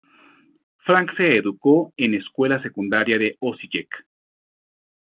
Frank se educó en escuela secundaria de Osijek.